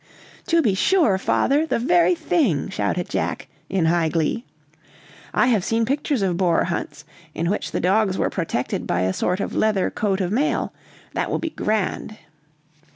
"To be sure, father, the very thing!" shouted Jack, in high glee. "I have seen pictures of boar hunts, in which the dogs were protected by a sort of leather coat of mail. That will be grand!"